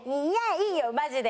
いいよマジで。